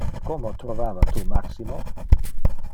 Como trovava tu Maximo?